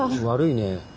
悪いね。